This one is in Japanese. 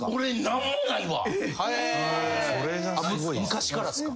昔からっすか？